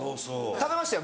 食べましたよ